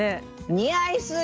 似合いすぎ！